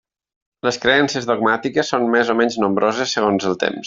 Les creences dogmàtiques són més o menys nombroses segons els temps.